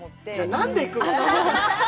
何で行くの！？